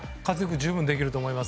十分できると思います。